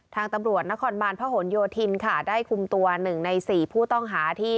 ทางตำรวจนครบาลพระหลโยธินค่ะได้คุมตัว๑ใน๔ผู้ต้องหาที่